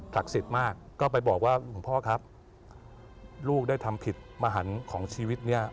สิทธิ์มากก็ไปบอกว่าหลวงพ่อครับลูกได้ทำผิดมหันของชีวิตเนี่ย